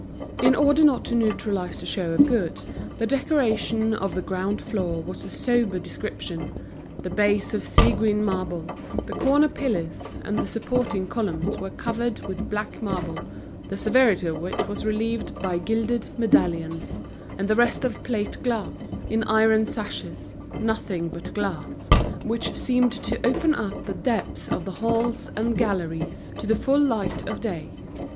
In order not to neutralize the show of goods, the decoration of the ground floor was of a sober description; the base of sea green marble; the corner pillars and the supporting columns were covered with black marble, the severity of which was relieved by gilded medallions; and the rest of plate glass, in iron sashes, nothing but glass, which seemed to open up the depths of the halls and galleries to the full light of day.